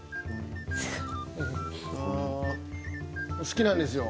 好きなんですよ